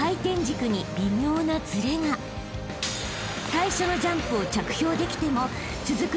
［最初のジャンプを着氷できても続く